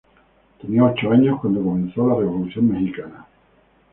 Tenía ocho años cuando comenzó la Revolución Mexicana.